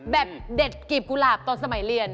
เด็ดกรีบกุหลาบตอนสมัยเรียน